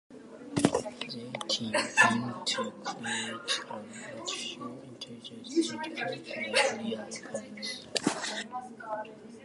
They team aimed to create an artificial intelligence that felt like real opponents.